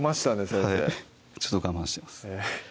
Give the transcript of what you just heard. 先生はいちょっと我慢してます